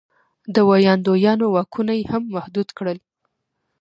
د ویاندویانو واکونه یې هم محدود کړل.